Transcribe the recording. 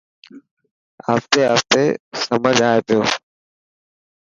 آهستي آهستي سمجهه آئي پيو.